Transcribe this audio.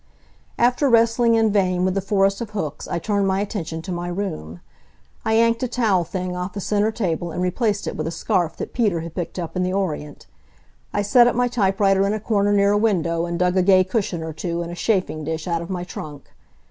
After wrestling in vain with the forest of hooks, I turned my attention to my room. I yanked a towel thing off the center table and replaced it with a scarf that Peter had picked up in the Orient. I set up my typewriter in a corner near a window and dug a gay cushion or two and a chafing dish out of my trunk.